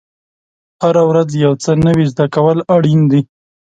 هره ورځ یو څه نوی زده کول اړین دي.